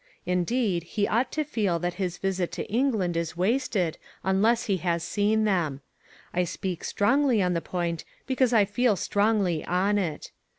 Indeed he ought to feel that his visit to England is wasted unless he has seen them. I speak strongly on the point because I feel strongly on it.